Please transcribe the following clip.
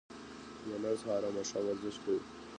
ځوانان سهار او ماښام ورزش کوي.